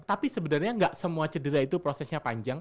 tapi sebenarnya nggak semua cedera itu prosesnya panjang